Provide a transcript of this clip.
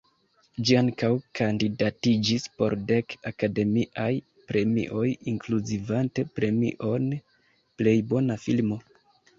Ĝi ankaŭ kandidatiĝis por dek Akademiaj Premioj inkluzivante premion Plej Bona Filmo.